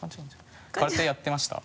空手やってました。